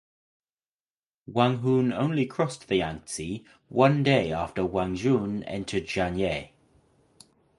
Wang Hun only crossed the Yangtze one day after Wang Jun entered Jianye.